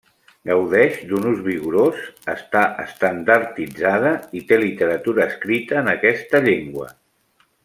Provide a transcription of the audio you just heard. Gaudeix d'un ús vigorós, està estandarditzada i té literatura escrita en aquesta llengua.